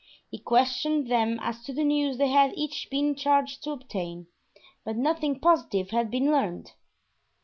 He questioned them as to the news they had each been charged to obtain, but nothing positive had been learned.